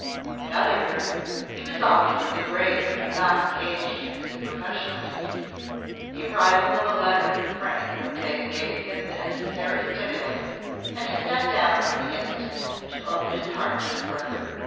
In other words, he was always at the Greys' when not engaged in his professional duties. The arrival of a letter from Frank one day gave him the necessary stimulus, and he sat down on the instant to open his heart to his brother.